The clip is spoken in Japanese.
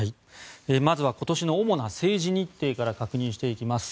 まずは今年の主な政治日程から確認していきます。